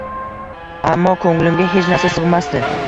Ammo koʻnglimga hech narsa sigʻmasdi